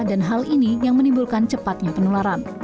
dan hal ini yang menimbulkan cepatnya penularan